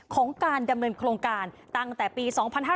ของการดำเนินโครงการตั้งแต่ปี๒๕๕๙